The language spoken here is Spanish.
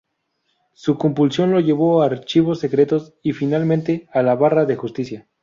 Su compulsión lo llevó a archivos secretos y, finalmente, a la Barra de Justicia.